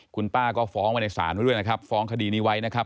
คุณป้าก็ฟ้องไว้ในศาลไว้ด้วยนะครับฟ้องคดีนี้ไว้นะครับ